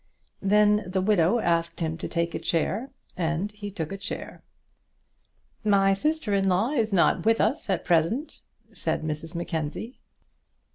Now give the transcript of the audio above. Then the widow asked him to take a chair, and he took a chair. "My sister in law is not with us at present," said Mrs Mackenzie.